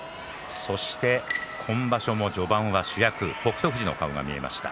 今場所も序盤は主役の北勝富士の顔が見えました。